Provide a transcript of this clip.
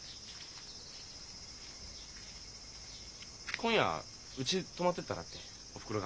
「今夜うち泊まってったら？」っておふくろが。